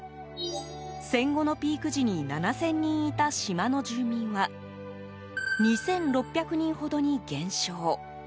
戦後のピーク時に７０００人いた島の住民は２６００人ほどに減少。